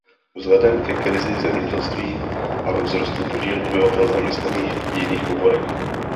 Vzhledem ke krizi v zemědělství ale vzrostl podíl obyvatel zaměstnaných v jiných oborech.